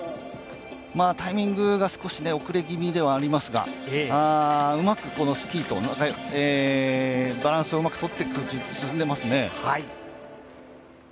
タイミングが少し遅れ気味ではありますがうまくこのスキーとバランスをうまくとっていますね。